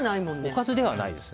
おかずじゃないです。